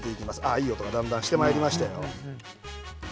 いい音がだんだんしてまいりましたよ。